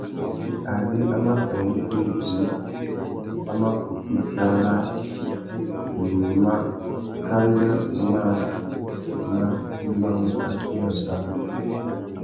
Ari a mà sangüetta udjï, wa mà kutu dzara màkánà mâā má tumbamú akêrê rabú.